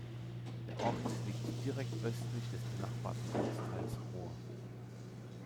Der Ort liegt direkt östlich des benachbarten Ortsteils Rohr.